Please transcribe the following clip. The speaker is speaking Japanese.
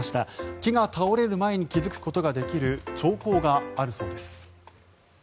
木が倒れる前に気付くことができる兆候があるそうです。